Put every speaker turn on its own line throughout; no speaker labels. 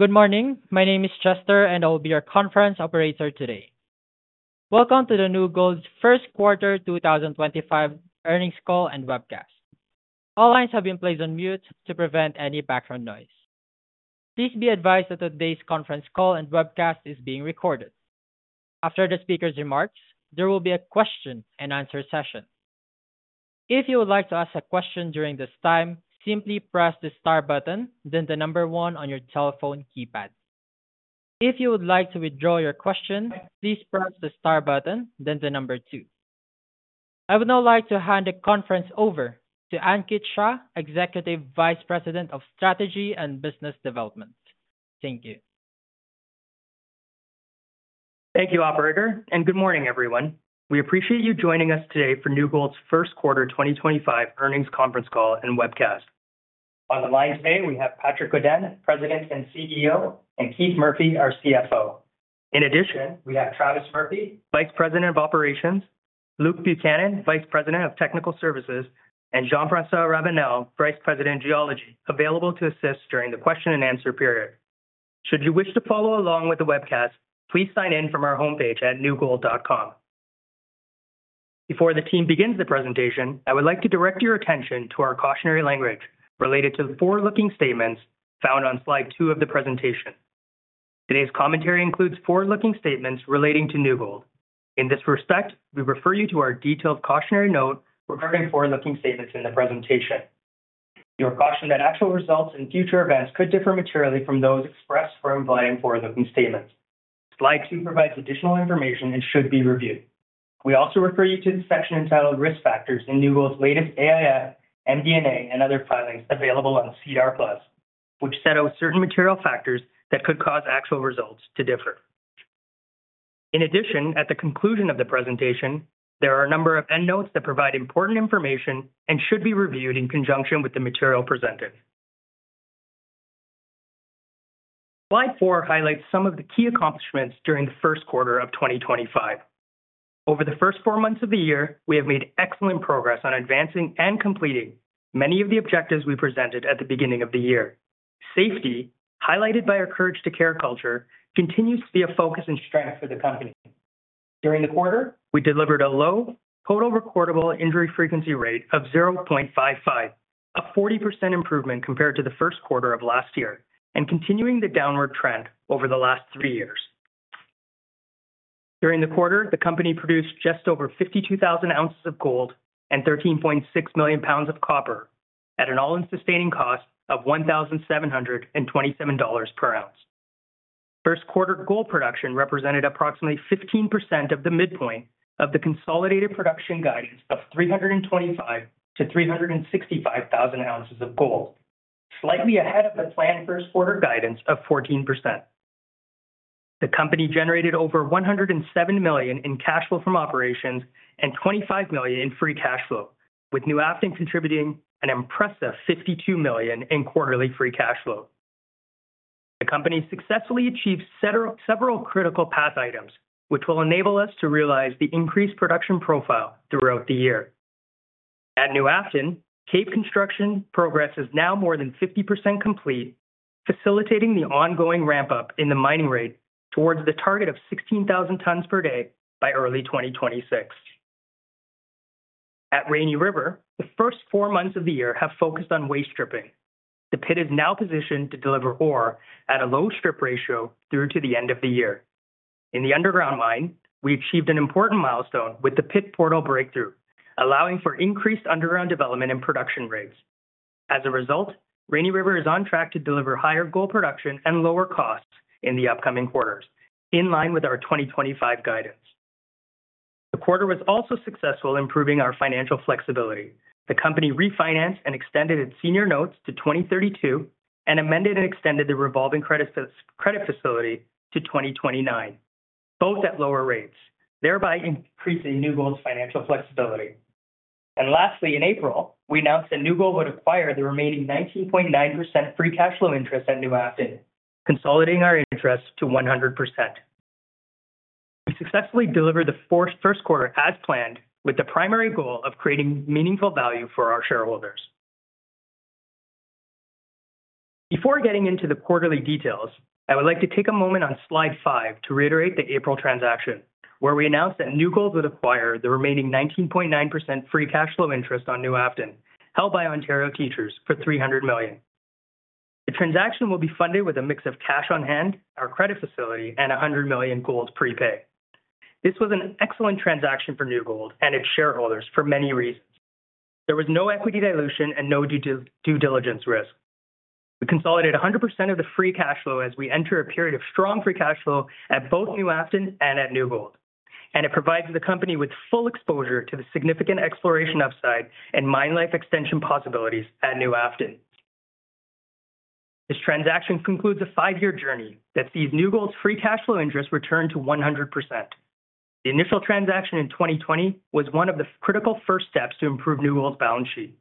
Good morning. My name is Chester, and I will be your conference operator today. Welcome to New Gold's first quarter 2025 earnings call and webcast. All lines have been placed on mute to prevent any background noise. Please be advised that today's conference call and webcast is being recorded. After the speaker's remarks, there will be a question and answer session. If you would like to ask a question during this time, simply press the star button, then the number one on your telephone keypad. If you would like to withdraw your question, please press the star button, then the number two. I would now like to hand the conference over to Ankit Shah, Executive Vice President of Strategy and Business Development. Thank you.
Thank you, Operator. Good morning, everyone. We appreciate you joining us today for New Gold's first quarter 2025 earnings conference call and webcast. On the line today, we have Patrick Godin, President and CEO, and Keith Murphy, our CFO. In addition, we have Travis Murphy, Vice President of Operations; Luke Buchanan, Vice President of Technical Services; and Jean-Francois Ravenelle, Vice President of Geology, available to assist during the question and answer period. Should you wish to follow along with the webcast, please sign in from our homepage at newgold.com. Before the team begins the presentation, I would like to direct your attention to our cautionary language related to the forward-looking statements found on slide two of the presentation. Today's commentary includes forward-looking statements relating to New Gold. In this respect, we refer you to our detailed cautionary note regarding forward-looking statements in the presentation. You are cautioned that actual results and future events could differ materially from those expressed or implying forward-looking statements. Slide two provides additional information and should be reviewed. We also refer you to the section entitled Risk Factors in New Gold's latest AIF, MD&A, and other filings available on SEDAR+, which set out certain material factors that could cause actual results to differ. In addition, at the conclusion of the presentation, there are a number of end notes that provide important information and should be reviewed in conjunction with the material presented. Slide four highlights some of the key accomplishments during the first quarter of 2025. Over the first four months of the year, we have made excellent progress on advancing and completing many of the objectives we presented at the beginning of the year. Safety, highlighted by our Courage to Care culture, continues to be a focus and strength for the company. During the quarter, we delivered a low total recordable injury frequency rate of 0.55, a 40% improvement compared to the first quarter of last year, and continuing the downward trend over the last three years. During the quarter, the company produced just over 52,000 ounces of gold and 13.6 million pounds of copper at an all-in sustaining cost of $1,727 per ounce. First quarter gold production represented approximately 15% of the midpoint of the consolidated production guidance of 325,000-365,000 ounces of gold, slightly ahead of the planned first quarter guidance of 14%. The company generated over $107 million in cash flow from operations and $25 million in free cash flow, with New Afton contributing an impressive $52 million in quarterly free cash flow. The company successfully achieved several critical path items, which will enable us to realize the increased production profile throughout the year. At New Afton, cave construction progress is now more than 50% complete, facilitating the ongoing ramp-up in the mining rate towards the target of 16,000 tons per day by early 2026. At Rainy River, the first four months of the year have focused on waste stripping. The pit is now positioned to deliver ore at a low strip ratio through to the end of the year. In the underground mine, we achieved an important milestone with the pit portal breakthrough, allowing for increased underground development and production rates. As a result, Rainy River is on track to deliver higher gold production and lower costs in the upcoming quarters, in line with our 2025 guidance. The quarter was also successful in improving our financial flexibility. The company refinanced and extended its senior notes to 2032 and amended and extended the revolving credit facility to 2029, both at lower rates, thereby increasing New Gold's financial flexibility. Lastly, in April, we announced that New Gold would acquire the remaining 19.9% free cash flow interest at New Afton, consolidating our interest to 100%. We successfully delivered the first quarter as planned, with the primary goal of creating meaningful value for our shareholders. Before getting into the quarterly details, I would like to take a moment on slide five to reiterate the April transaction, where we announced that New Gold would acquire the remaining 19.9% free cash flow interest on New Afton, held by Ontario Teachers' for $300 million. The transaction will be funded with a mix of cash on hand, our credit facility, and $100 million gold prepay. This was an excellent transaction for New Gold and its shareholders for many reasons. There was no equity dilution and no due diligence risk. We consolidated 100% of the free cash flow as we enter a period of strong free cash flow at both New Afton and at New Gold, and it provides the company with full exposure to the significant exploration upside and mine life extension possibilities at New Afton. This transaction concludes a five-year journey that sees New Gold's free cash flow interest return to 100%. The initial transaction in 2020 was one of the critical first steps to improve New Gold's balance sheet.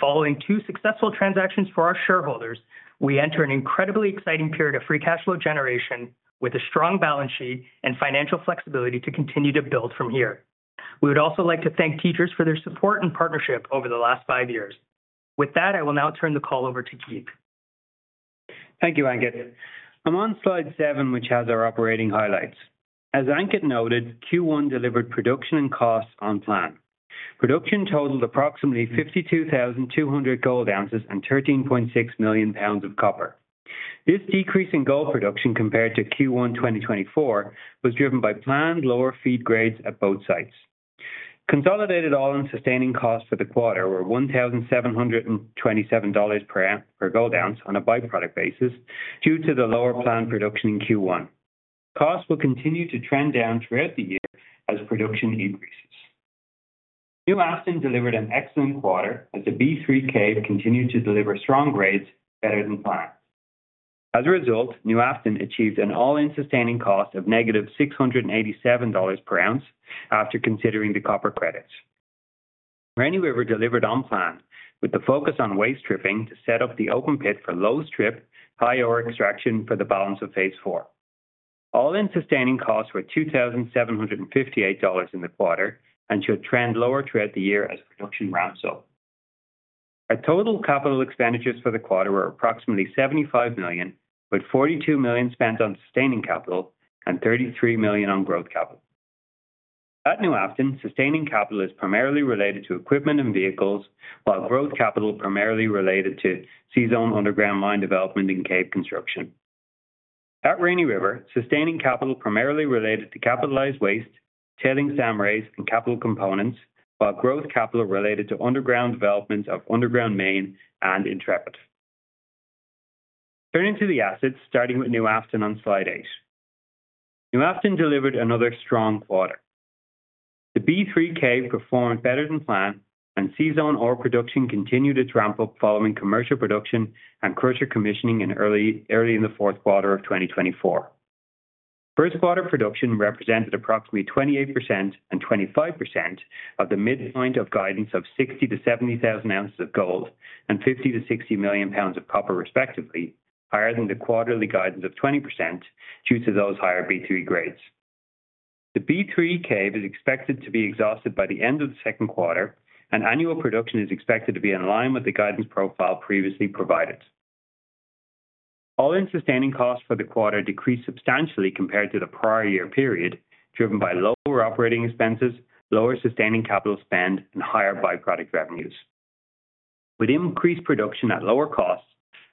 Following two successful transactions for our shareholders, we enter an incredibly exciting period of free cash flow generation with a strong balance sheet and financial flexibility to continue to build from here. We would also like to thank Teachers for their support and partnership over the last five years. With that, I will now turn the call over to Keith.
Thank you, Ankit. I'm on slide seven, which has our operating highlights. As Ankit noted, Q1 delivered production and costs on plan. Production totaled approximately 52,200 gold ounces and 13.6 million pounds of copper. This decrease in gold production compared to Q1 2023 was driven by planned lower feed grades at both sites. Consolidated all-in sustaining costs for the quarter were $1,727 per gold ounce on a byproduct basis due to the lower planned production in Q1. Costs will continue to trend down throughout the year as production increases. New Afton delivered an excellent quarter as the B3 cave continued to deliver strong grades better than planned. As a result, New Afton achieved an all-in sustaining cost of negative $687 per ounce after considering the copper credits. Rainy River delivered on plan with the focus on waste stripping to set up the open pit for low strip, high ore extraction for the balance of phase IV. All-in sustaining costs were $2,758 in the quarter and should trend lower throughout the year as production ramps up. Our total capital expenditures for the quarter were approximately $75 million, with $42 million spent on sustaining capital and $33 million on growth capital. At New Afton, sustaining capital is primarily related to equipment and vehicles, while growth capital is primarily related to seasonal underground mine development and cave construction. At Rainy River, sustaining capital is primarily related to capitalized waste, tailings dam raise, and capital components, while growth capital is related to underground developments of underground main and Intrepid. Turning to the assets, starting with New Afton on slide eight, New Afton delivered another strong quarter. The B3 cave performed better than planned, and seasonal ore production continued to ramp up following commercial production and crusher commissioning in early in the fourth quarter of 2024. First quarter production represented approximately 28% and 25% of the midpoint of guidance of 60,000-70,000 ounces of gold and 50,000,000-60,000,000 pounds of copper, respectively, higher than the quarterly guidance of 20% due to those higher B3 grades. The B3 cave is expected to be exhausted by the end of the second quarter, and annual production is expected to be in line with the guidance profile previously provided. All-in sustaining costs for the quarter decreased substantially compared to the prior year period, driven by lower operating expenses, lower sustaining capital spend, and higher byproduct revenues. With increased production at lower costs,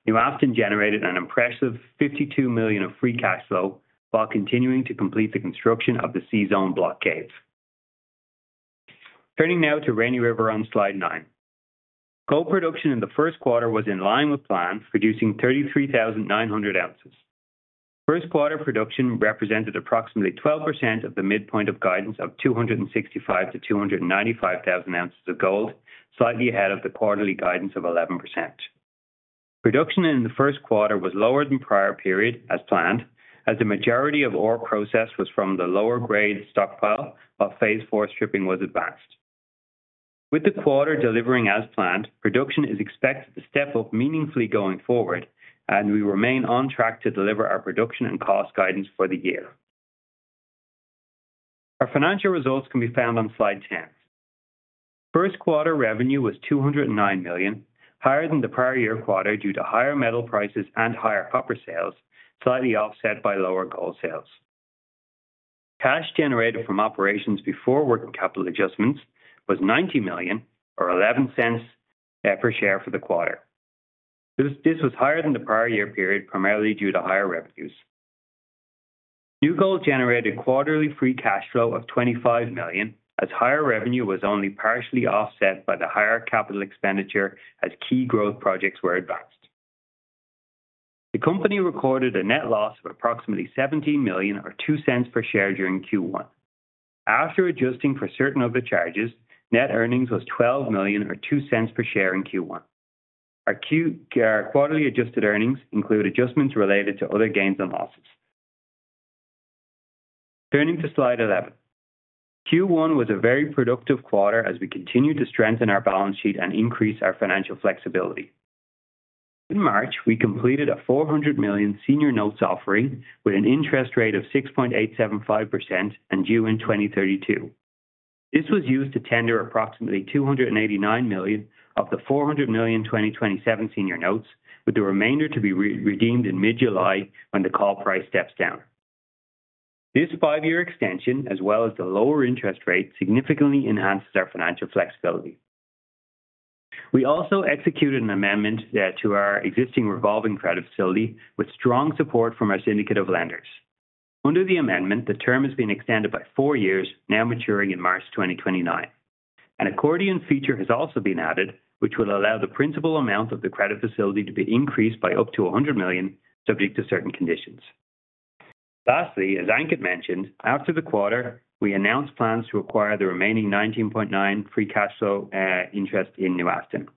New Afton generated an impressive $52 million of free cash flow while continuing to complete the construction of the C-Zone block cave. Turning now to Rainy River on slide nine, gold production in the first quarter was in line with plan, producing 33,900 ounces. First quarter production represented approximately 12% of the midpoint of guidance of 265,000-295,000 ounces of gold, slightly ahead of the quarterly guidance of 11%. Production in the first quarter was lower than prior period, as planned, as the majority of ore processed was from the lower grade stockpile, while phase IV stripping was advanced. With the quarter delivering as planned, production is expected to step up meaningfully going forward, and we remain on track to deliver our production and cost guidance for the year. Our financial results can be found on slide 10. First quarter revenue was $209 million, higher than the prior year quarter due to higher metal prices and higher copper sales, slightly offset by lower gold sales. Cash generated from operations before working capital adjustments was $90 million, or $0.11 per share for the quarter. This was higher than the prior year period, primarily due to higher revenues. New Gold generated quarterly free cash flow of $25 million, as higher revenue was only partially offset by the higher capital expenditure as key growth projects were advanced. The company recorded a net loss of approximately $17 million, or $0.02 per share during Q1. After adjusting for certain other charges, net earnings was $12 million, or $0.02 per share in Q1. Our quarterly adjusted earnings include adjustments related to other gains and losses. Turning to slide 11, Q1 was a very productive quarter as we continued to strengthen our balance sheet and increase our financial flexibility. In March, we completed a $400 million senior notes offering with an interest rate of 6.875% and due in 2032. This was used to tender approximately $289 million of the $400 million 2027 senior notes, with the remainder to be redeemed in mid-July when the call price steps down. This five-year extension, as well as the lower interest rate, significantly enhances our financial flexibility. We also executed an amendment to our existing revolving credit facility with strong support from our syndicate of lenders. Under the amendment, the term has been extended by four years, now maturing in March 2029. An accordion feature has also been added, which will allow the principal amount of the credit facility to be increased by up to $100 million, subject to certain conditions. Lastly, as Ankit mentioned, after the quarter, we announced plans to acquire the remaining 19.9% free cash flow interest in New Afton.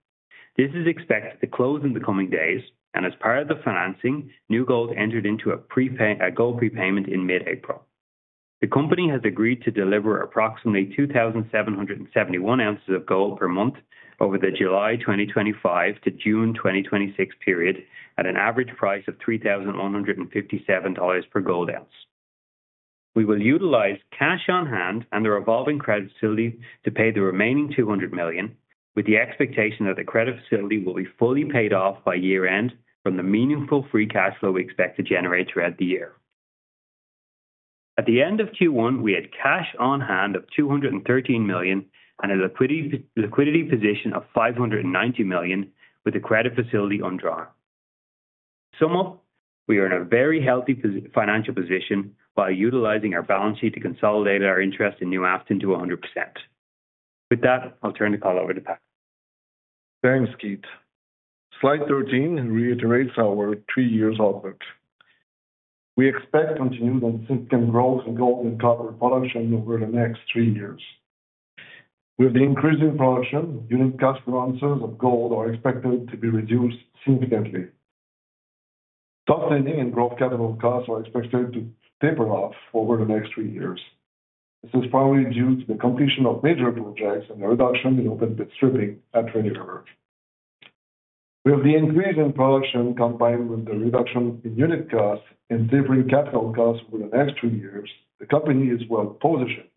This is expected to close in the coming days, and as part of the financing, New Gold entered into a gold prepayment in mid-April. The company has agreed to deliver approximately 2,771 ounces of gold per month over the July 2025 to June 2026 period at an average price of $3,157 per gold ounce. We will utilize cash on hand and the revolving credit facility to pay the remaining $200 million, with the expectation that the credit facility will be fully paid off by year-end from the meaningful free cash flow we expect to generate throughout the year. At the end of Q1, we had cash on hand of $213 million and a liquidity position of $590 million with the credit facility undrawn. To sum up, we are in a very healthy financial position while utilizing our balance sheet to consolidate our interest in New Afton to 100%. With that, I'll turn the call over to Patrick.
Thanks, Keith. Slide 13 reiterates our three-year outlook. We expect continued and significant growth in gold and copper production over the next three years. With the increasing production, unit cost runs of gold are expected to be reduced significantly. Sustaining and growth capital costs are expected to taper off over the next three years. This is probably due to the completion of major projects and the reduction in open pit stripping at Rainy River. With the increase in production combined with the reduction in unit costs and tapering capital costs over the next two years, the company is well positioned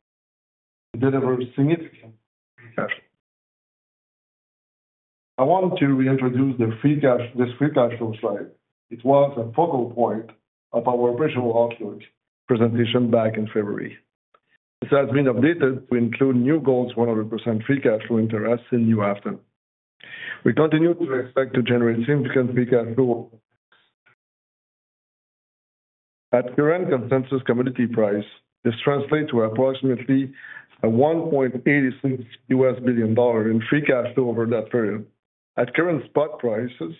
to deliver significant free cash flow. I want to reintroduce this free cash flow slide. It was a focal point of our operational outlook presentation back in February. This has been updated to include New Gold's 100% free cash flow interest in New Afton. We continue to expect to generate significant free cash flow. At current consensus commodity price, this translates to approximately $1.86 billion in free cash flow over that period. At current spot prices,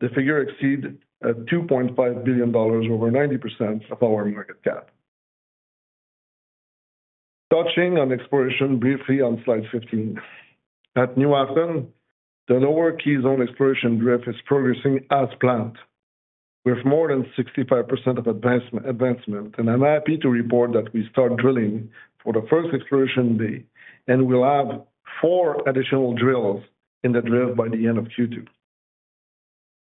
the figure exceeds $2.5 billion, over 90% of our market cap. Touching on exploration briefly on slide 15, at New Afton, the Lower Key Zone exploration drift is progressing as planned, with more than 65% of advancement, and I'm happy to report that we start drilling for the first exploration bay, and we'll have four additional drills in the drift by the end of Q2.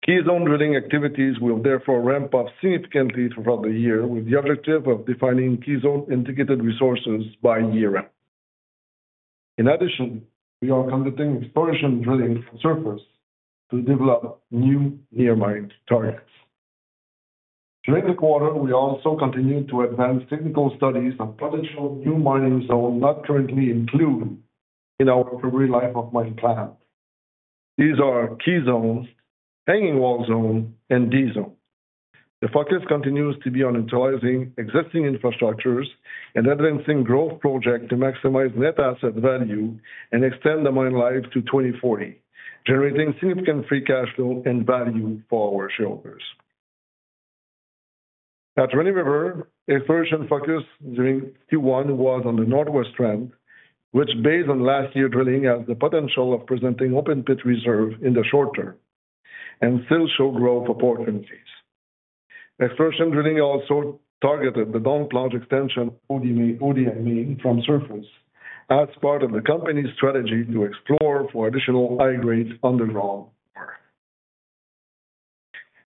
Key Zone drilling activities will therefore ramp up significantly throughout the year, with the objective of defining Key Zone indicated resources by year-end. In addition, we are conducting exploration drilling from surface to develop new near-mining targets. During the quarter, we also continue to advance technical studies on potential new mining zones not currently included in our February life of mine plan. These are Key Zones, Hanging Wall Zone, and D Zone. The focus continues to be on utilizing existing infrastructures and advancing growth projects to maximize net asset value and extend the mine life to 2040, generating significant free cash flow and value for our shareholders. At Rainy River, exploration focus during Q1 was on the Northwest Trend, which, based on last year's drilling, has the potential of presenting open pit reserve in the short term and still shows growth opportunities. Exploration drilling also targeted the down-plunge extension of the Main from surface as part of the company's strategy to explore for additional high-grade underground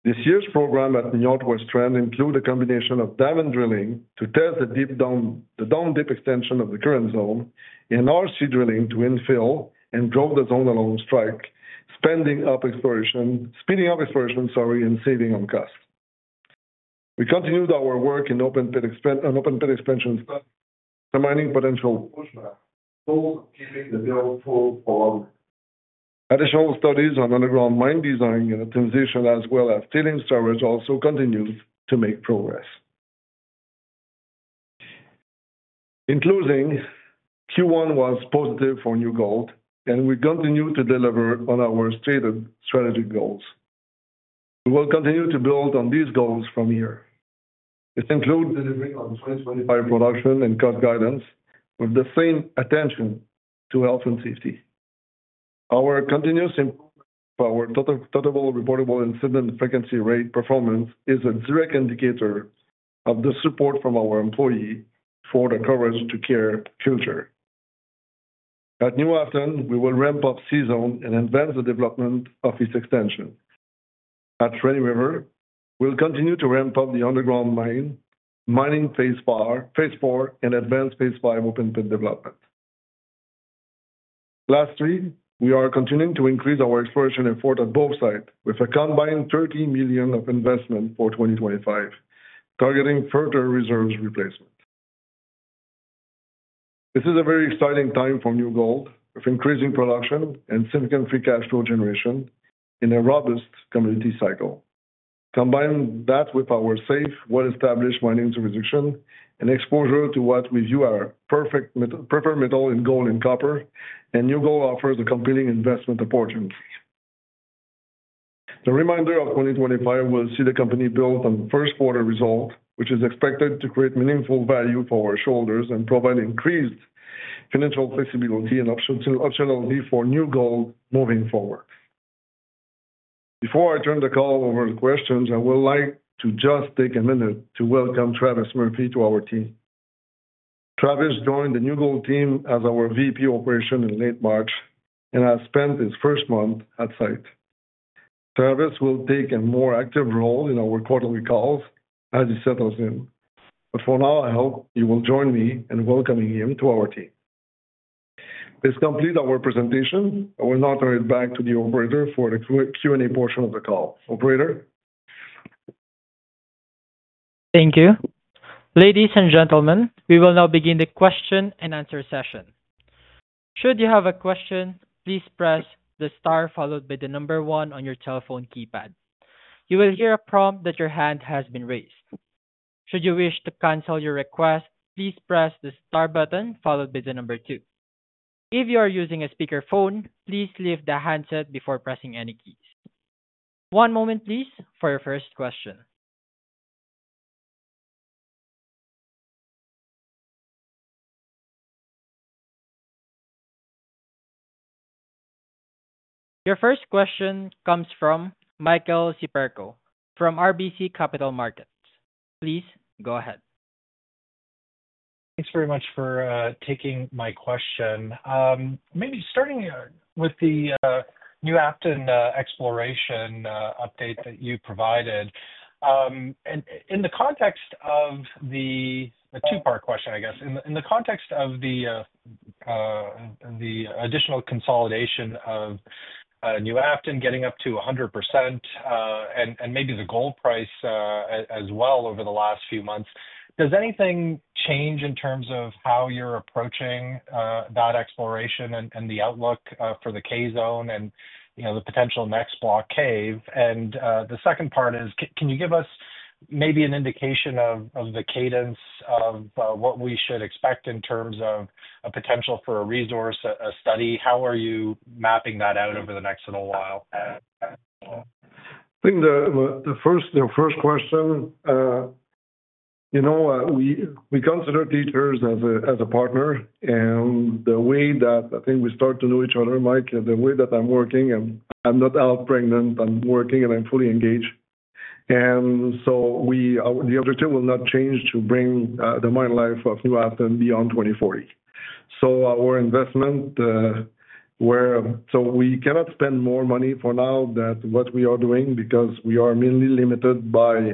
ore. This year's program at the Northwest Trend includes a combination of diamond drilling to test the down-dip extension of the current zone and RC drilling to infill and draw the zone along strike, speeding up exploration and saving on costs. We continued our work in open pit expansion studies, undermining potential pushback, goals of keeping the mill full for longer. Additional studies on underground mine design and optimization, as well as tailings storage, also continue to make progress. In closing, Q1 was positive for New Gold, and we continue to deliver on our stated strategic goals. We will continue to build on these goals from here. This includes delivering on 2025 production and cost guidance with the same attention to health and safety. Our continuous improvement of our total reportable incident frequency rate performance is a direct indicator of the support from our employees for the Corage to Care future. At New Afton, we will ramp up seasonal and advance the development of its extension. At Rainy River, we'll continue to ramp up the underground mine, mining phase IV, and advance phase V open pit development. Lastly, we are continuing to increase our exploration effort at both sites with a combined $30 million of investment for 2025, targeting further reserves replacement. This is a very exciting time for New Gold, with increasing production and significant free cash flow generation in a robust commodity cycle. Combine that with our safe, well-established mining jurisdiction and exposure to what we view as our preferred metal in gold and copper, and New Gold offers a compelling investment opportunity. The remainder of 2025 will see the company build on the first quarter result, which is expected to create meaningful value for our shareholders and provide increased financial flexibility and optionality for New Gold moving forward. Before I turn the call over to questions, I would like to just take a minute to welcome Travis Murphy to our team. Travis joined the New Gold team as our VP Operations in late March and has spent his first month at site. Travis will take a more active role in our quarterly calls as he settles in, but for now, I hope you will join me in welcoming him to our team. Please complete our presentation. I will now turn it back to the operator for the Q&A portion of the call. Operator.
Thank you. Ladies and gentlemen, we will now begin the question and answer session. Should you have a question, please press the star followed by the number one on your telephone keypad. You will hear a prompt that your hand has been raised. Should you wish to cancel your request, please press the star button followed by the number two. If you are using a speakerphone, please lift the handset before pressing any keys. One moment, please, for your first question. Your first question comes from Michael Siperco from RBC Capital Markets. Please go ahead.
Thanks very much for taking my question. Maybe starting with the New Afton exploration update that you provided, in the context of the two-part question, I guess, in the context of the additional consolidation of New Afton getting up to 100% and maybe the gold price as well over the last few months, does anything change in terms of how you're approaching that exploration and the outlook for the Key Zone and the potential next block cave? The second part is, can you give us maybe an indication of the cadence of what we should expect in terms of a potential for a resource study? How are you mapping that out over the next little while?
I think the first question, you know, we consider Teachers as a partner, and the way that I think we start to know each other, Mike, and the way that I'm working, and I'm not out pregnant, I'm working, and I'm fully engaged. The objective will not change to bring the mine life of New Afton beyond 2040. Our investment, we cannot spend more money for now than what we are doing because we are mainly limited by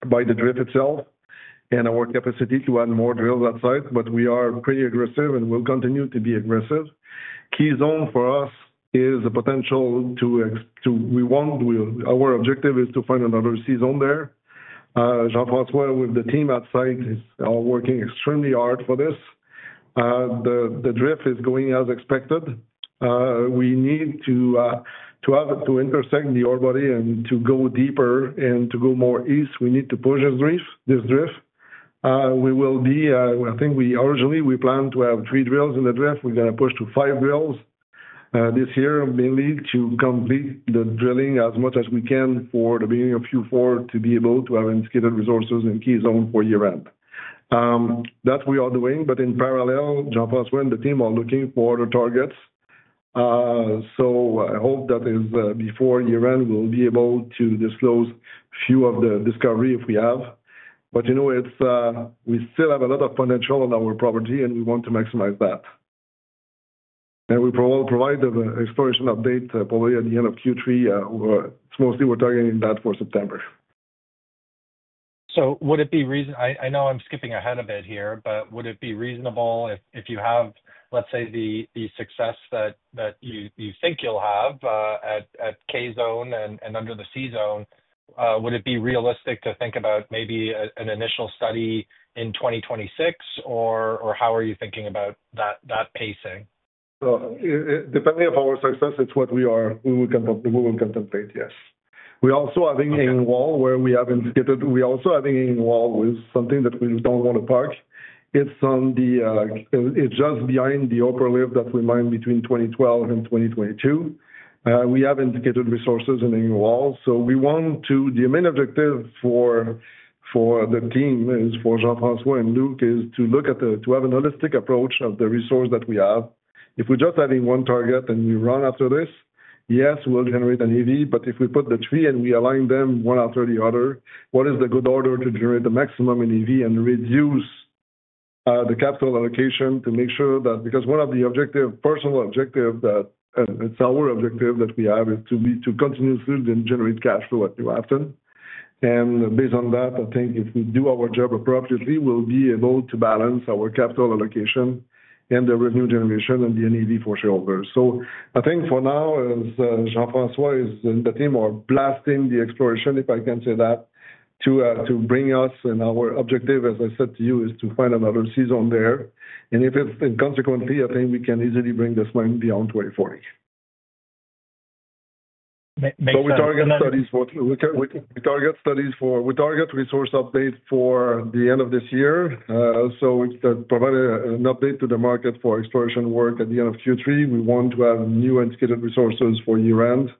the drift itself and our capacity to add more drills at site, but we are pretty aggressive and will continue to be aggressive. Key Zone for us is a potential to—we want—our objective is to find another C zone there. Jean-Francois with the team at site is all working extremely hard for this. The drift is going as expected. We need to intersect the ore body and to go deeper and to go more east. We need to push this drift. We will be—I think originally we planned to have three drills in the drift. We're going to push to five drills this year, mainly to complete the drilling as much as we can for the beginning of Q4 to be able to have indicated resources in Key Zone for year-end. That we are doing, but in parallel, Jean-Francois and the team are looking for other targets. I hope that before year-end we'll be able to disclose a few of the discoveries if we have. You know, we still have a lot of potential on our property, and we want to maximize that. We will provide the exploration update probably at the end of Q3. It's mostly—we're targeting that for September.
Would it be reasonable—I know I'm skipping ahead a bit here—but would it be reasonable if you have, let's say, the success that you think you'll have at Key Zone and under the C zone, would it be realistic to think about maybe an initial study in 2026, or how are you thinking about that pacing?
Depending on our success, it's what we will contemplate, yes. We are also having a wall where we have indicated—we are also having a wall with something that we do not want to park. It's just behind the upper lift that we mined between 2012 and 2022. We have indicated resources in a wall. The main objective for the team is for Jean-Francois and Luke is to look at the—to have a holistic approach of the resource that we have. If we're just having one target and we run after this, yes, we'll generate a NAV, but if we put the three and we align them one after the other, what is the good order to generate the maximum in NAV and reduce the capital allocation to make sure that, because one of the personal objectives that it's our objective that we have is to continue to generate cash flow at New Afton. Based on that, I think if we do our job appropriately, we'll be able to balance our capital allocation and the revenue generation and the NEV for shareholders. I think for now, as Jean-Francois is in the team, we're blasting the exploration, if I can say that, to bring us, and our objective, as I said to you, is to find another C zone there. If it's inconsequently, I think we can easily bring this mine beyond 2040.
Make sure that.
We target studies for—we target resource updates for the end of this year. We provided an update to the market for exploration work at the end of Q3. We want to have new Indicated resources for year-end,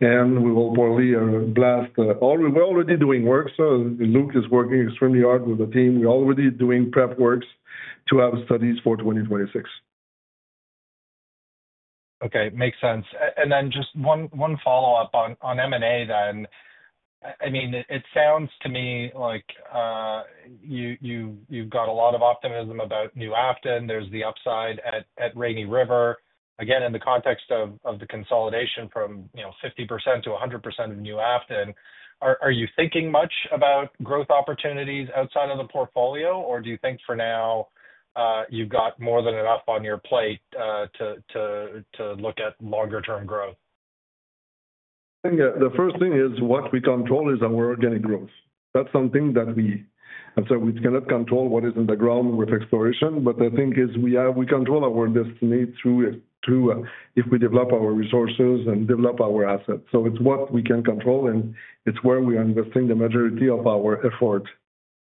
and we will probably blast—we're already doing work, so Luke is working extremely hard with the team. We're already doing prep works to have studies for 2026.
Okay, makes sense. Just one follow-up on M&A then. I mean, it sounds to me like you've got a lot of optimism about New Afton. There's the upside at Rainy River. Again, in the context of the consolidation from 50%-100% of New Afton, are you thinking much about growth opportunities outside of the portfolio, or do you think for now you've got more than enough on your plate to look at longer-term growth?
I think the first thing is what we control is our organic growth. That's something that we—I’m sorry, we cannot control what is in the ground with exploration, but the thing is we control our destiny through if we develop our resources and develop our assets. It is what we can control, and it is where we are investing the majority of our effort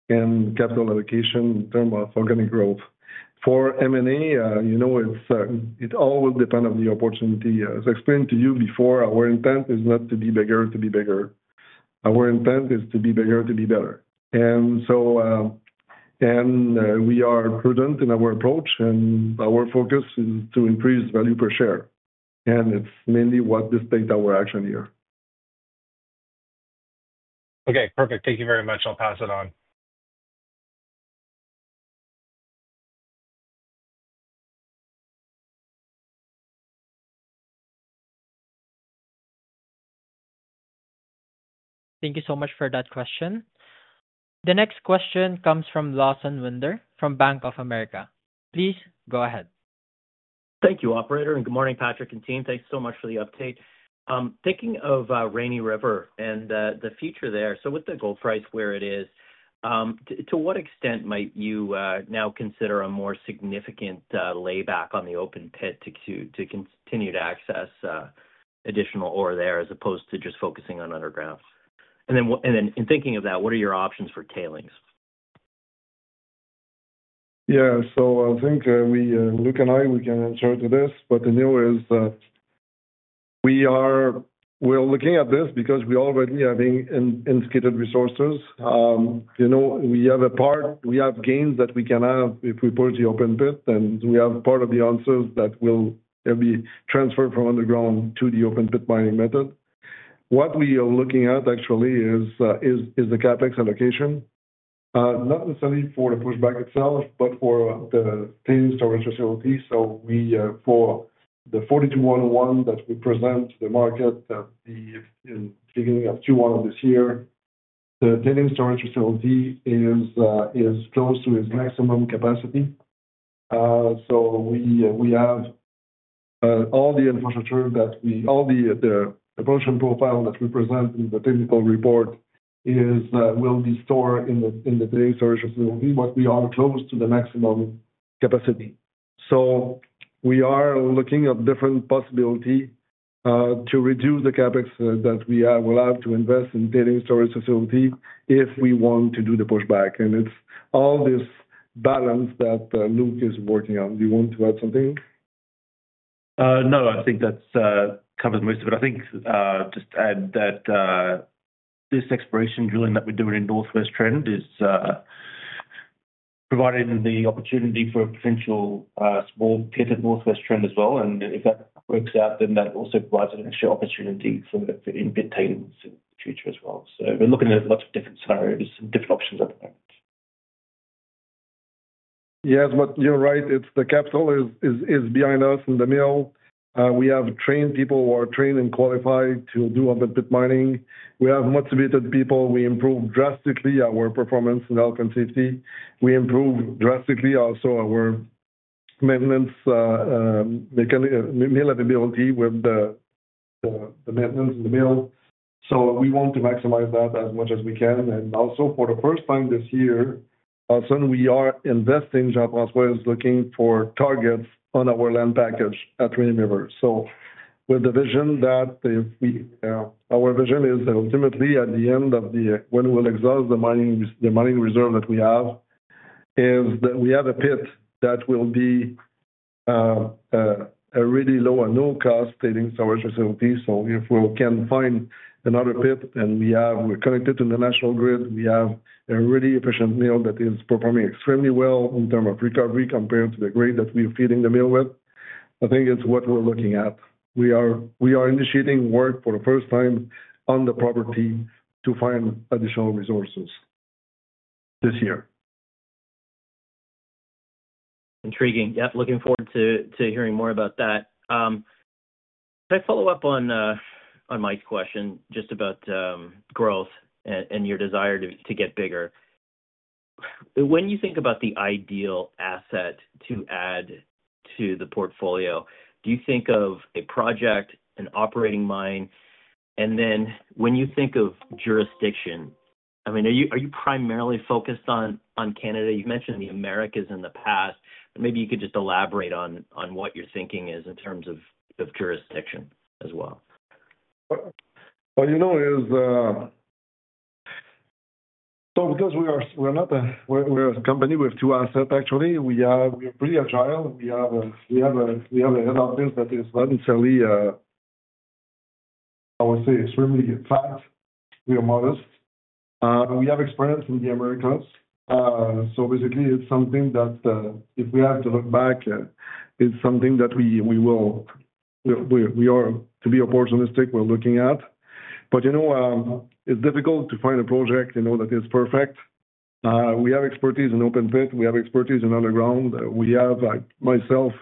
and capital allocation in terms of organic growth. For M&A, you know, it all will depend on the opportunity. As I explained to you before, our intent is not to be bigger to be bigger. Our intent is to be bigger to be better. We are prudent in our approach, and our focus is to increase value per share. It is mainly what this data we are actioning here.
Okay, perfect. Thank you very much. I'll pass it on.
Thank you so much for that question. The next question comes from Lawson Winder from Bank of America. Please go ahead.
Thank you, Operator. Good morning, Patrick and team. Thanks so much for the update. Thinking of Rainy River and the future there, with the gold price where it is, to what extent might you now consider a more significant layback on the open pit to continue to access additional ore there as opposed to just focusing on underground? In thinking of that, what are your options for tailings?
Yeah, I think Luke and I, we can answer to this, but the new is that we are looking at this because we're already having indicated resources. We have a part, we have gains that we can have if we push the open pit, and we have part of the answers that will be transferred from underground to the open pit mining method. What we are looking at actually is the CapEx allocation, not necessarily for the pushback itself, but for the tailings storage facility. For the 43-101 that we present to the market in the beginning of Q1 of this year, the tailings storage facility is close to its maximum capacity. We have all the infrastructure that we—all the approach and profile that we present in the technical report will be stored in the tailings storage facility, but we are close to the maximum capacity. We are looking at different possibilities to reduce the CapEx that we will have to invest in tailings storage facility if we want to do the pushback. It is all this balance that Luke is working on. Do you want to add something?
No, I think that covers most of it. I think just to add that this exploration drilling that we're doing in Northwest Trend is providing the opportunity for a potential small pit at Northwest Trend as well. If that works out, then that also provides an extra opportunity for in-pit tailings in the future as well. We are looking at lots of different scenarios and different options at the moment.
Yes, but you're right. The capital is behind us in the mill. We have trained people who are trained and qualified to do open pit mining. We have motivated people. We improved drastically our performance in health and safety. We improved drastically also our maintenance mill availability with the maintenance in the mill. We want to maximize that as much as we can. For the first time this year, we are investing in Jean-Francois is looking for targets on our land package at Rainy River. With the vision that our vision is ultimately at the end of the when we'll exhaust the mining reserve that we have, is that we have a pit that will be a really low and no-cost tailings storage facility. If we can find another pit and we're connected to the national grid, we have a really efficient mill that is performing extremely well in terms of recovery compared to the grade that we are feeding the mill with. I think it's what we're looking at. We are initiating work for the first time on the property to find additional resources this year.
Intriguing. Yeah, looking forward to hearing more about that. Could I follow up on Mike's question just about growth and your desire to get bigger? When you think about the ideal asset to add to the portfolio, do you think of a project, an operating mine? When you think of jurisdiction, I mean, are you primarily focused on Canada? You've mentioned the Americas in the past, but maybe you could just elaborate on what your thinking is in terms of jurisdiction as well.
You know, because we're not a company with two assets, actually, we are pretty agile. We have an outfit that is not necessarily, I would say, extremely tight. We are modest. We have experience in the Americas. Basically, it's something that if we have to look back, it's something that we will, to be opportunistic, we're looking at. You know, it's difficult to find a project that is perfect. We have expertise in open pit. We have expertise in underground. We have, like myself,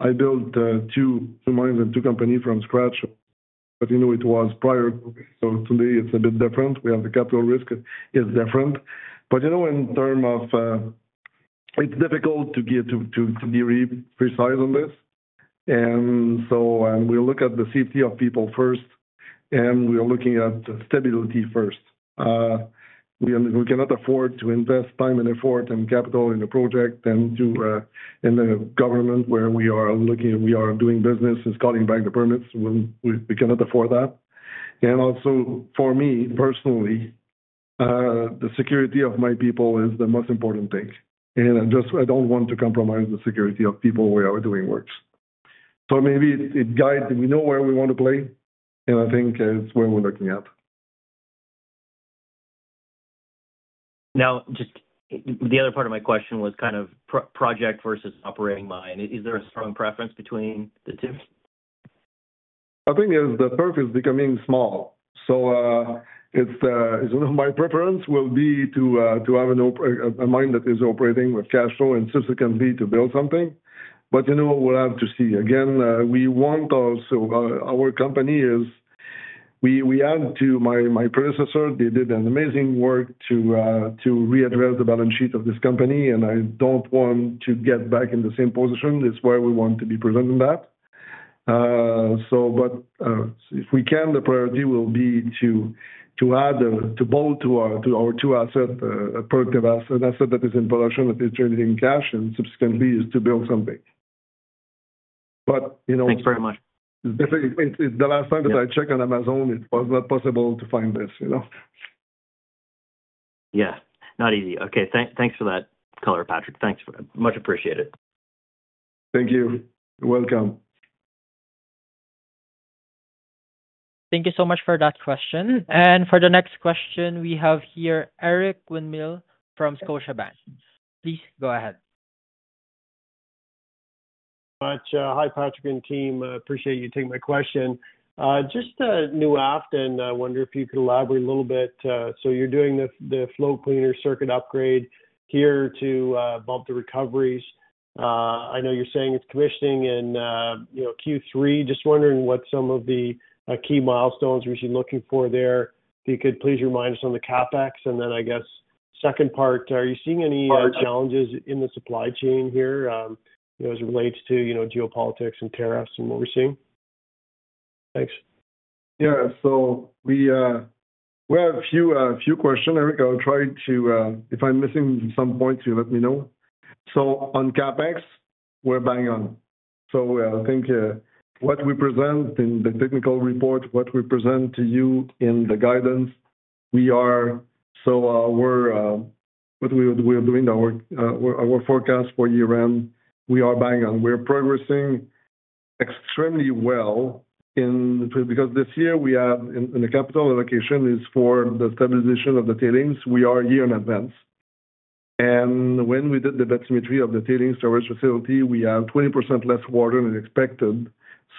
I built two mines and two companies from scratch. You know, it was prior. Today it's a bit different. We have the capital risk. It's different. You know, in terms of, it's difficult to be precise on this. We look at the safety of people first, and we are looking at stability first. We cannot afford to invest time and effort and capital in a project and to a government where we are looking, we are doing business, it's calling back the permits. We cannot afford that. For me, personally, the security of my people is the most important thing. I do not want to compromise the security of people where we are doing works. Maybe it guides that we know where we want to play, and I think it's where we're looking at.
Now, just the other part of my question was kind of project versus operating mine. Is there a strong preference between the two?
I think the purpose is becoming small. My preference will be to have a mine that is operating with cash flow and subsequently to build something. You know, we will have to see. Again, we want also our company as we add to my predecessor. They did an amazing work to readdress the balance sheet of this company, and I do not want to get back in the same position. That is why we want to be presenting that. If we can, the priority will be to add to both our two assets, a productive asset that is in production that is trading in cash and subsequently is to build something. You know.
Thanks very much.
It's the last time that I checked on Amazon, it was not possible to find this.
Yeah, not easy. Okay, thanks for that color, Patrick. Thanks very much, appreciate it.
Thank you. You're welcome.
Thank you so much for that question. For the next question, we have here, Eric Winmill from Scotiabank. Please go ahead.
Hi, Patrick and team. Appreciate you taking my question. Just New Afton, I wonder if you could elaborate a little bit. You're doing the float cleaner circuit upgrade here to bump the recoveries. I know you're saying it's commissioning in Q3. Just wondering what some of the key milestones you're looking for there. If you could please remind us on the CapEx. I guess second part, are you seeing any challenges in the supply chain here as it relates to geopolitics and tariffs and what we're seeing? Thanks.
Yeah, so we have a few questions. Eric, I'll try to, if I'm missing some points, you let me know. On CapEx, we're buying on. I think what we present in the technical report, what we present to you in the guidance, we are, so what we are doing, our forecast for year-end, we are buying on. We're progressing extremely well because this year we have in the capital allocation is for the stabilization of the tailings. We are a year in advance. When we did the bathymetry of the tailings storage facility, we have 20% less water than expected.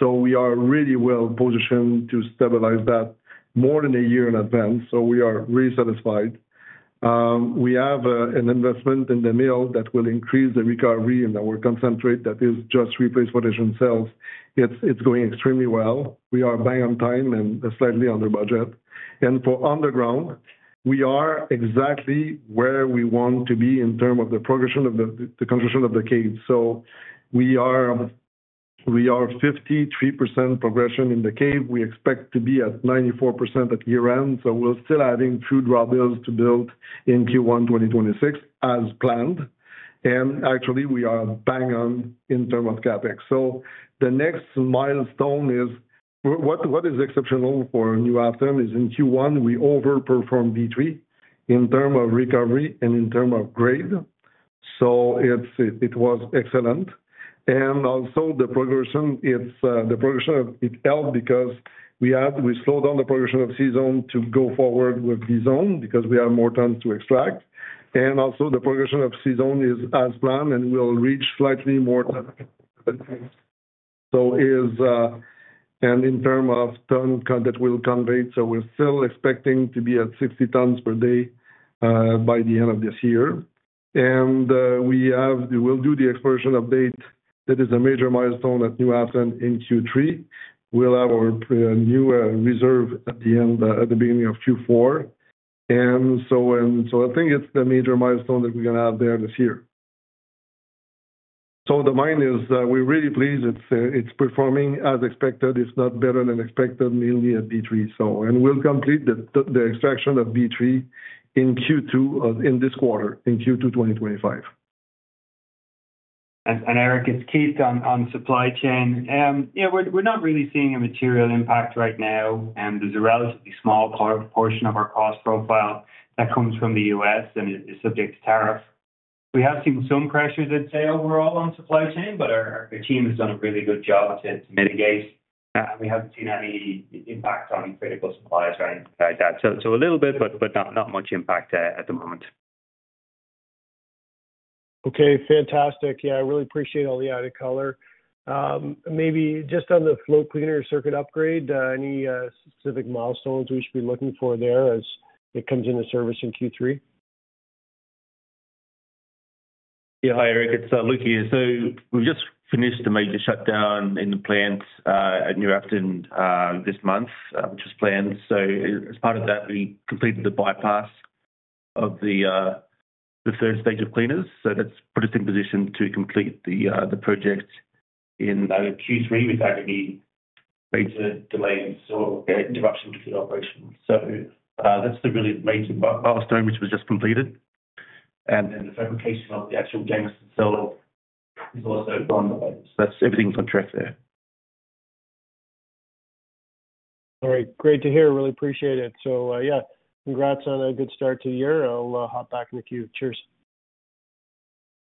We are really well positioned to stabilize that more than a year in advance. We are really satisfied. We have an investment in the mill that will increase the recovery in our concentrate that is just replaced for additional cells. It's going extremely well. We are buying on time and slightly under budget. For underground, we are exactly where we want to be in terms of the progression of the construction of the cave. We are 53% progression in the cave. We expect to be at 94% at year-end. We're still adding few drawbells to build in Q1 2026 as planned. Actually, we are buying on in terms of CapEx. The next milestone is what is exceptional for New Afton is in Q1, we overperformed B3 in terms of recovery and in terms of grade. It was excellent. Also, the progression, it helped because we slowed down the progression of C-Zone to go forward with C-Zone because we have more tons to extract. The progression of C-Zone is as planned and we'll reach slightly more tons. In terms of tons that will convey, we're still expecting to be at 60 tons per day by the end of this year. We will do the exploration update that is a major milestone at New Afton in Q3. We'll have our new reserve at the beginning of Q4. I think it's the major milestone that we're going to have there this year. The mine is, we're really pleased. It's performing as expected, if not better than expected, mainly at B3. We'll complete the extraction of B3 in Q2 in this quarter, in Q2 2025.
Eric, it's Keith on supply chain. We're not really seeing a material impact right now. There's a relatively small portion of our cost profile that comes from the US and is subject to tariff. We have seen some pressures, I'd say, overall on supply chain, but our team has done a really good job to mitigate. We haven't seen any impact on critical supplies, right? Like that. A little bit, but not much impact at the moment.
Okay, fantastic. Yeah, I really appreciate all the added color. Maybe just on the float cleaner circuit upgrade, any specific milestones we should be looking for there as it comes into service in Q3?
Yeah, hi, Eric. It's Luke here. We've just finished the major shutdown in the plant at New Afton this month, which was planned. As part of that, we completed the bypass of the third stage of cleaners. That has put us in position to complete the project in Q3 without any major delays or interruptions to the operation. That's the really major milestone, which was just completed. The fabrication of the actual Jameson cells itself is also on the way. That's everything in contract there.
All right, great to hear. Really appreciate it. Yeah, congrats on a good start to the year. I'll hop back in a few. Cheers.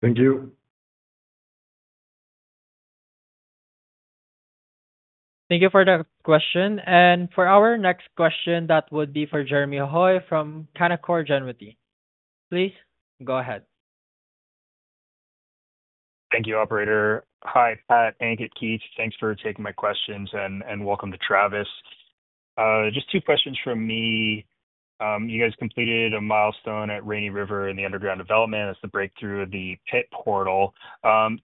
Thank you.
Thank you for that question. For our next question, that would be for Jeremy Hoy from Canaccord Genuity. Please go ahead.
Thank you, operator. Hi, Pat, Ankit, Keith, thanks for taking my questions and welcome to Travis. Just two questions from me. You guys completed a milestone at Rainy River in the underground development. That's the breakthrough of the pit portal.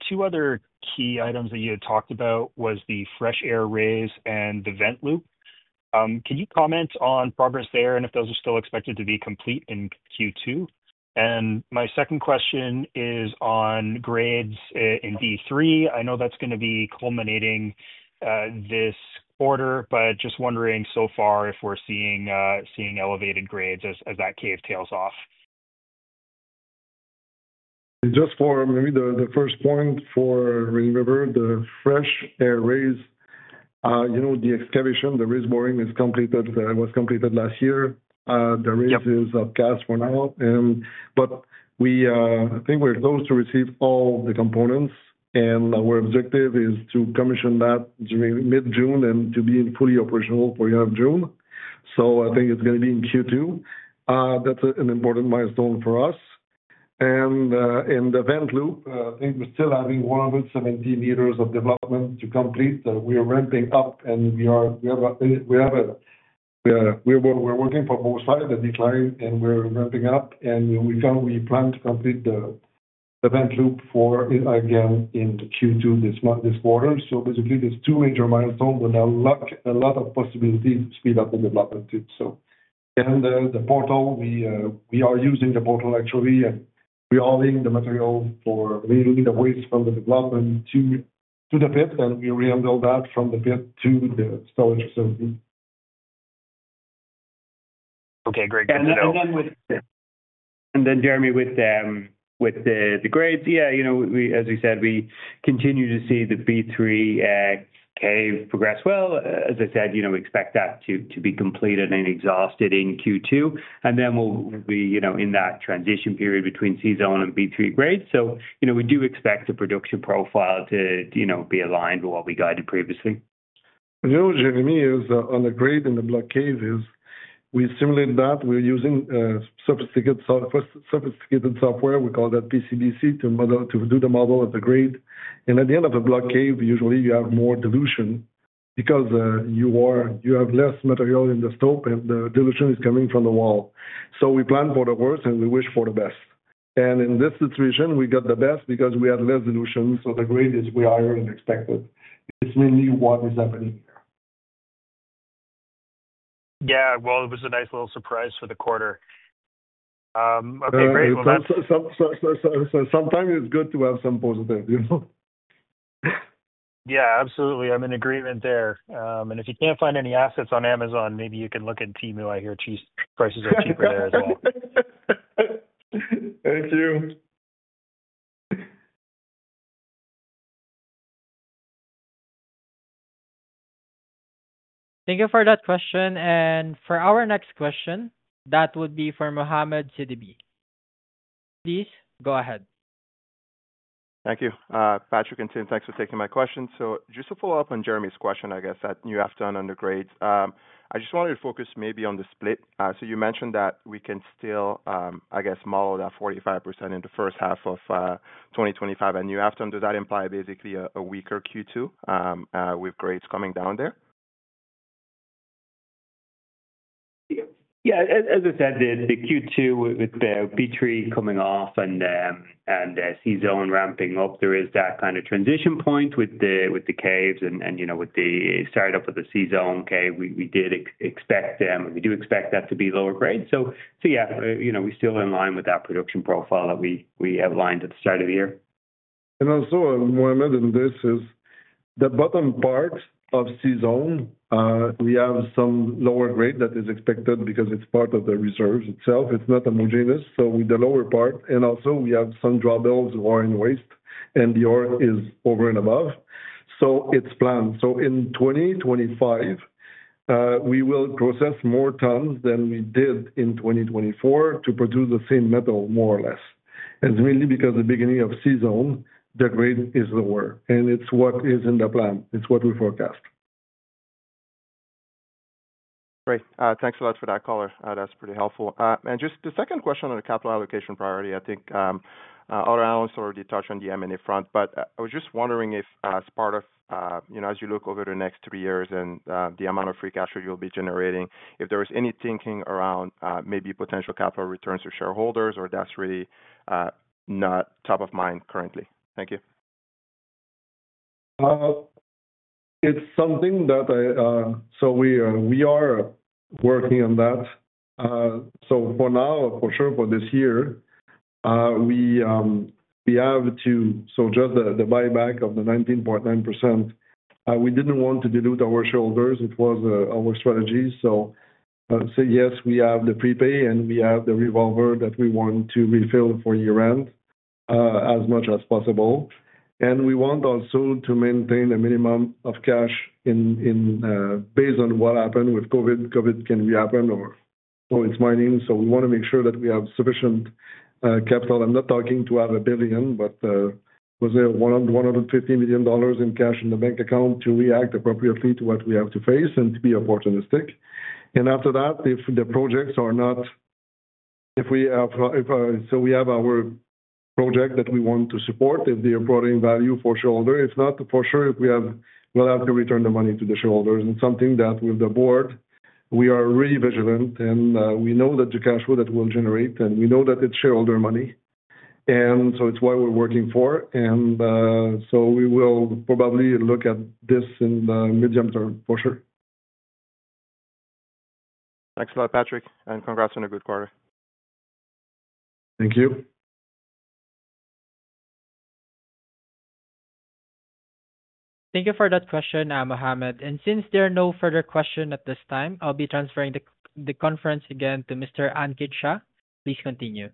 Two other key items that you had talked about was the fresh air raise and the vent loop. Can you comment on progress there and if those are still expected to be complete in Q2? My second question is on grades in B3. I know that's going to be culminating this quarter, but just wondering so far if we're seeing elevated grades as that cave tails off.
Just for maybe the first point for Rainy River, the fresh air raise, you know the excavation, the raise boring was completed last year. The raise is cased for now. I think we're close to receive all the components. Our objective is to commission that during mid-June and to be fully operational for the end of June. I think it's going to be in Q2. That's an important milestone for us. In the vent loop, I think we're still having 170 meters of development to complete. We are ramping up and we are working for both sides of the decline and we're ramping up. We plan to complete the vent loop again in Q2 this quarter. Basically, there's two major milestones, but a lot of possibilities to speed up the development too. The portal, we are using the portal actually. We're allowing the material for mainly the waste from the development to the pit. We re-handled that from the pit to the storage facility.
Okay, great. Jeremy, with the grades, you know as we said, we continue to see the B3 cave progress well. As I said, you know we expect that to be completed and exhausted in Q2. We will be in that transition period between C-Zone and B3 grade. You know we do expect the production profile to be aligned with what we guided previously.
You know, Jeremy, on the grade in the block caves, we simulate that. We're using sophisticated software. We call that PCBC to do the model of the grade. At the end of a block cave, usually you have more dilution because you have less material in the slope and the dilution is coming from the wall. We plan for the worst and we wish for the best. In this situation, we got the best because we had less dilution. The grade is wider than expected. It's mainly what is happening here.
Yeah, it was a nice little surprise for the quarter. Okay, great.
Sometimes it's good to have some positive.
Yeah, absolutely. I'm in agreement there. If you can't find any assets on Amazon, maybe you can look at Temu out here. Cheap prices are cheaper there as well.
Thank you.
Thank you for that question. For our next question, that would be for Mohammed Siddiqui. Please go ahead.
Thank you. Patrick and Tim, thanks for taking my question. Just to follow up on Jeremy's question, I guess, at New Afton on the grades, I just wanted to focus maybe on the split. You mentioned that we can still, I guess, model that 45% in the first half of 2025 at New Afton. Does that imply basically a weaker Q2 with grades coming down there?
Yeah, as I said, the Q2 with B3 coming off and C-Zone ramping up, there is that kind of transition point with the caves and with the startup of the C-Zone cave. We did expect them, and we do expect that to be lower grade. Yeah, we're still in line with that production profile that we outlined at the start of the year.
What I mentioned is this is the bottom part of C-Zone. We have some lower grade that is expected because it's part of the reserves itself. It's not homogeneous. With the lower part, we also have some drawbells or in waste, and the ore is over and above. It's planned. In 2025, we will process more tons than we did in 2024 to produce the same metal, more or less. It's mainly because at the beginning of C-Zone, the grade is lower. It's what is in the plan. It's what we forecast.
Great. Thanks a lot for that color. That's pretty helpful. Just the second question on the capital allocation priority, I think our analysts already touched on the M&A front, but I was just wondering if as part of, you know, as you look over the next three years and the amount of free cash you'll be generating, if there was any thinking around maybe potential capital returns to shareholders or that's really not top of mind currently. Thank you.
It's something that I, so we are working on that. For now, for sure, for this year, we have to, just the buyback of the 19.9%, we didn't want to dilute our shareholders. It was our strategy. Yes, we have the prepay and we have the revolver that we want to refill for year-end as much as possible. We want also to maintain a minimum of cash based on what happened with COVID. COVID can re-appear or it's mining. We want to make sure that we have sufficient capital. I'm not talking to have a billion, but was there $150 million in cash in the bank account to react appropriately to what we have to face and to be opportunistic. If the projects are not, if we have, so we have our project that we want to support, if they are providing value for shareholders, if not, for sure, we will have to return the money to the shareholders. Something that with the board, we are really vigilant and we know that the cash flow that we'll generate and we know that it's shareholder money. It is why we're working for. We will probably look at this in the medium term, for sure.
Thanks a lot, Patrick. Congrats on a good quarter.
Thank you.
Thank you for that question, Mohammed. Since there are no further questions at this time, I'll be transferring the conference again to Mr. Ankit Shah. Please continue.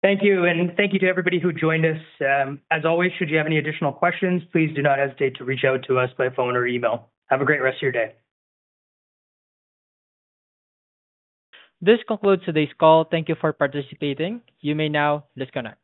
Thank you. Thank you to everybody who joined us. As always, should you have any additional questions, please do not hesitate to reach out to us by phone or email. Have a great rest of your day.
This concludes today's call. Thank you for participating. You may now disconnect.